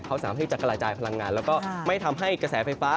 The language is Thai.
เขาสามารถที่จะกระจายพลังงานแล้วก็ไม่ทำให้กระแสไฟฟ้า